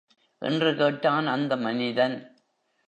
என்று கேட்டான் அந்த மனிதன்.